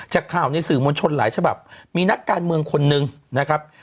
จากข่าวในสื่อมวลชนหลายฉบับมีนักการเมืองคนนึงนะครับ